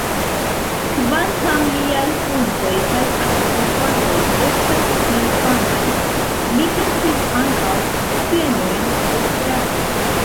Kvankam liaj pontoj kaj akvofaloj estas plej famaj, li pentris ankaŭ scenojn de strato.